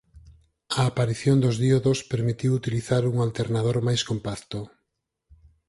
A aparición dos díodos permitiu utilizar un alternador máis compacto.